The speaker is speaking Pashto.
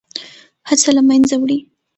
هغه له منځه وړي.